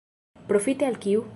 Profite al kiu?